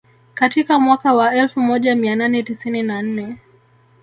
Katika mwaka wa elfu moja mia nane tisini na nne